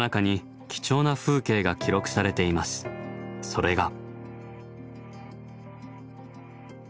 それが。